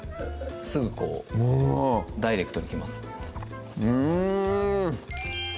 すぐこうダイレクトにきますうん！